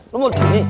lu mau disini